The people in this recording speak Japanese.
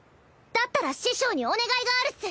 だったら師匠にお願いがあるっス！